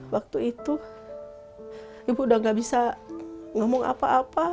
waktu itu ibu udah gak bisa ngomong apa apa